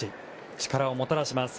力をもたらします。